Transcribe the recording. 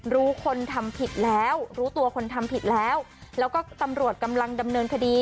รู้คนทำผิดแล้วรู้ตัวคนทำผิดแล้วแล้วก็ตำรวจกำลังดำเนินคดี